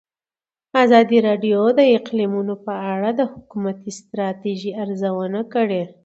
ازادي راډیو د اقلیتونه په اړه د حکومتي ستراتیژۍ ارزونه کړې.